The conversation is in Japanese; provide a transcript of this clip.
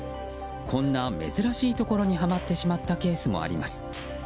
こんな珍しいところにはまってしまったケースもあります。